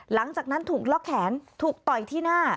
หลังจากนั้นถูกล็อกแขนถูกต่อยที่หน้า